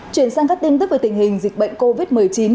chuyển sang các tin tức về tình hình dịch bệnh covid một mươi chín